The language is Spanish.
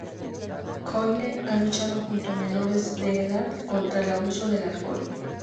Coyle ha luchado junto a menores de-edad contra el abuso del alcohol.